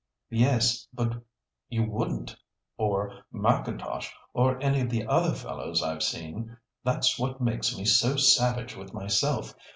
"Yes, but you wouldn't, or M'Intosh, or any of the other fellows I've seen; that's what makes me so savage with myself.